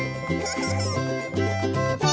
フフフ！